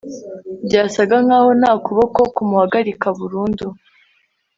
Byasaga nkaho nta kuboko kumuhagarika burundu